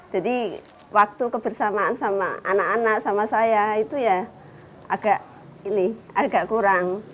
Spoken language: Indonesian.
jadi waktu kebersamaan sama anak anak sama saya itu ya agak ini agak kurang